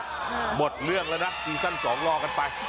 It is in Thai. หมดเรื่องแล้วนะซีซั่นสองรอกันไป